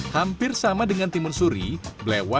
sampai jumpa di video selanjutnya